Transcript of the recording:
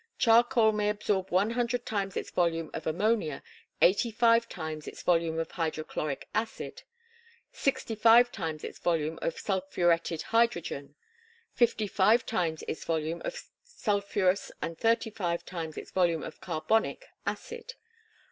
Charcoal may absorb one hundred times its volume of ammonia, eighty five times its volume of hydrochloric acid, sixty five times its volume of sulphuretted hydrogen, fifty five times its volume of sulphurous and thirty five times its volume of carbonic acid.